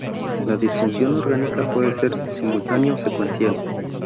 La disfunción orgánica puede ser simultánea o secuencial.